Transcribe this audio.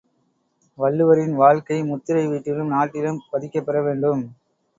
வள்ளுவரின் வாழ்க்கை முத்திரை வீட்டிலும் நாட்டிலும் பதிக்கப்பெற வேண்டும்.